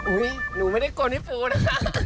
อุ้ยหนูไม่ได้กวนพี่ปูนะฮะ